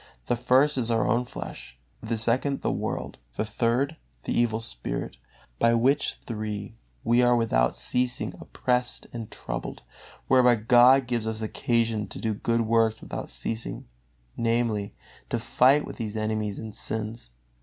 The first is our own flesh, the second the world, the third the evil spirit, by which three we are without ceasing oppressed and troubled; whereby God gives us occasion to do good works without ceasing, namely, to fight with these enemies and sins.